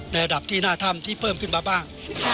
ระดับที่หน้าถ้ำที่เพิ่มขึ้นมาบ้าง